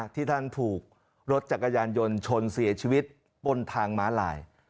ที่ท่านถูกรถจักรยานยนต์ชนเสียชีวิตบนทางม้าลาย